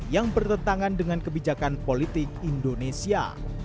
yang bertentangan dengan kebijakan politik indonesia